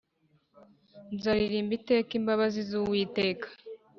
Nzaririmba iteka imbabazi z Uwiteka